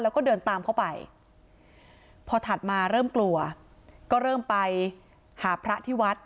แล้วก็เดินตามเข้าไปพอถัดมาเริ่มกลัวก็เริ่มไปหาพระที่วัด